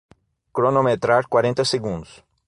Cronometrar quarenta segundos